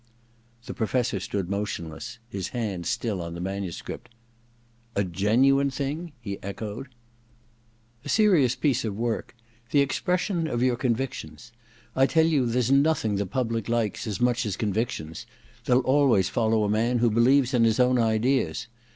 The Professor stood motionless, his hand still on the manuscript. * A genuine thing ?' he echoed. * A serious piece of work — ^the expression of your convictions. I tell you there's nothing the public likes as much as convictions — they'll always follow a man who believes in his own ideas.